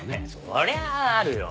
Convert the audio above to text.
そりゃあるよ。